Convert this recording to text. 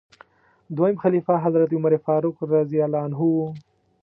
دویم خلیفه حضرت عمر فاروق رض و.